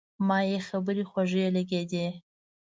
ما یې خبرې خوږې لګېدې.